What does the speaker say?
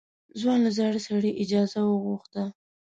ځوان له زاړه سړي اجازه وغوښته.